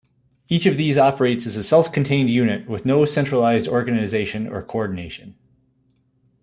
Each of these operates as a self-contained unit, with no centralized organization or coordination.